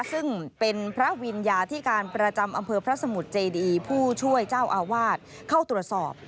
ซึ่งเป็นพระวิญญาธิการประจำอำเภอพระสมุทรเจดีผู้ช่วยเจ้าอาวาสเข้าตรวจสอบ